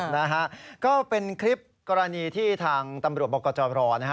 นะฮะก็เป็นคลิปกรณีที่ทางตำรวจบกจรนะฮะ